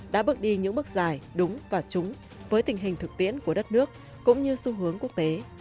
đã bước đi những bước dài đúng và trúng với tình hình thực tiễn của đất nước cũng như xu hướng quốc tế